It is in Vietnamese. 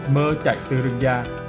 mơ chạy từ rừng ra